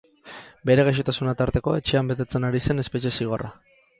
Bere gaixotasuna tarteko, etxean betetzen ari zen espetxe zigorra.